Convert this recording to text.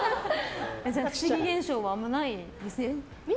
不思議現象はあまりないですね。